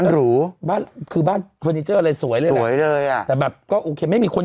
รับแขกแบบว่าผู้หลักผู้ใหญ่